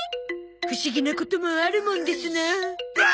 不思議なこともあるもんですなあ。